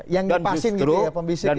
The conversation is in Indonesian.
yang dipasin gitu ya pembisik gitu ya